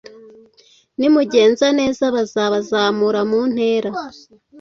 nimugenza neza bazabazamura mu ntera